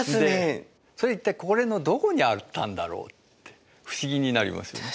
それ一体これのどこにあったんだろうって不思議になりますよね。